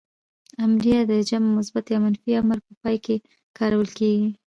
امریه ئ د جمع مثبت يا منفي امر په پای کې کارول کیږي.